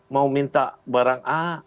mau minta barang a